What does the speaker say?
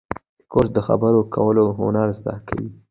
کورس د خبرو کولو هنر زده کوي.